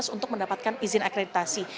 untuk mendapatkan izin akreditasi